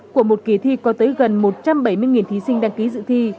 của một kỳ thi có tới gần một trăm bảy mươi thí sinh đăng ký dự thi